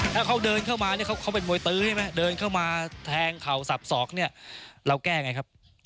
ถ้าเขาเดินเข้ามาเนี่ยเขาเป็นมวยตื้อใช่ไหมเดินเข้ามาแทงเข่าสับสอกเนี่ยเราแก้ไงครับ